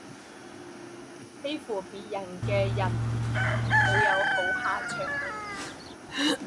欺负别人的人没有好下场